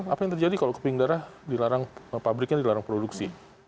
apa yang terjadi kalau keping darah dilarang pabriknya dilarang produksi